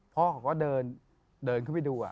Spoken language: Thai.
พ่อเขาก็เดินขึ้นไปดู